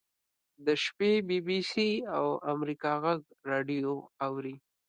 د شپې بي بي سي او امریکا غږ راډیو اوري.